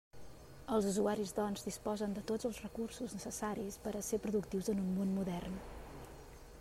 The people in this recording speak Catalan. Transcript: Els usuaris, doncs, disposen de tots els recursos necessaris per a ser productius en un món modern.